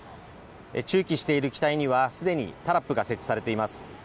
駐機している機体には既にタラップが接地されています。